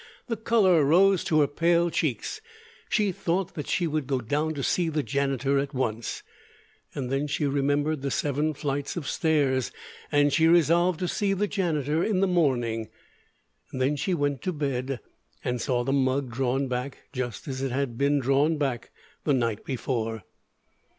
The color rose to her pale cheeks. She thought that she would go down to see the janitor at once. Then she remembered the seven flights of stairs; and she resolved to see the janitor in the morning. Then she went to bed, and saw the mug drawn back just as it had been drawn back the night before.